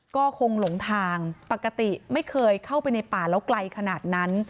ก็คงหลงทางปกติไม่เคยเข้าไปในป่าแล้วไกลขนาดนั้น